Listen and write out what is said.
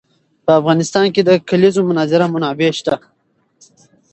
په افغانستان کې د د کلیزو منظره منابع شته.